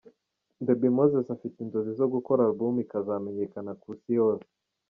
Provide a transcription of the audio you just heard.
Baby Moses afite inzozi zo gukora album ikazamenyekana ku isi hose.